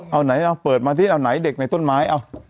เอาไหนเอาเปิดมาสิเอาไหนเด็กในต้นไม้เอา